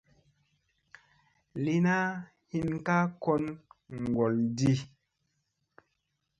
Lina hin ka kon ŋgolɗi.